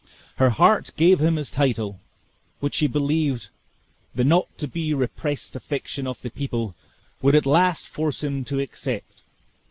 Her heart gave him his title; which she believed the not to be repressed affection of the people would at last force him to accept.